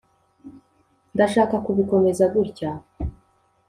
ndashaka kubikomeza gutya